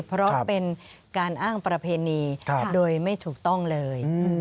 เพราะเป็นการอ้างประเพณีโดยไม่ถูกต้องเลย